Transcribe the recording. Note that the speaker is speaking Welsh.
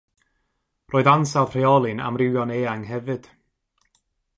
Roedd ansawdd rheoli'n amrywio'n eang hefyd.